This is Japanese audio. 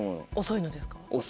遅いのですか？